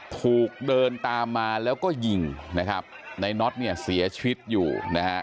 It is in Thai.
ถูกเดินตามมาแล้วก็ยิงนะครับในน็อตเนี่ยเสียชีวิตอยู่นะฮะ